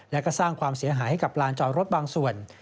และก็สร้างความเสียหายให้กับลานจอดรถบางส่วน